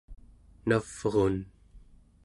navrun